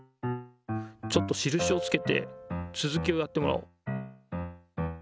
ちょっとしるしをつけてつづきをやってもらおう。